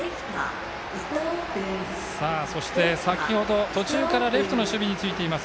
そして、途中からレフトの守備についています